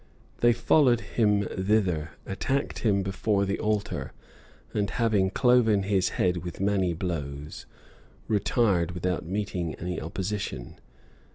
They followed him thither, attacked him before the altar, and having cloven his head with many blows, retired without meeting any opposition.